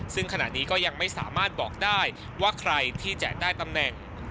ซึ่งขณะนี้ก็ยังไม่สามารถบอกได้ว่าใครที่จะได้ตำแหน่ง